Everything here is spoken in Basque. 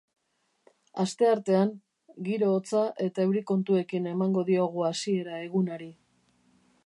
Asteartean, giro hotza eta euri kontuekin emango diogu hasiera egunari.